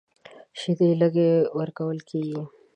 شیدې لږ ورکول کېږي.